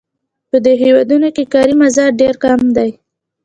په دې هېوادونو کې کاري مزد ډېر کم دی